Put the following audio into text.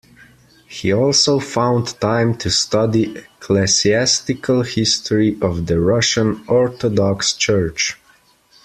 He also found time to study ecclesiastical history of the Russian Orthodox Church.